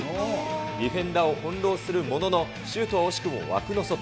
ディフェンダーを翻弄するものの、シュートは惜しくも枠の外。